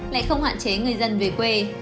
lại không hạn chế người dân về quê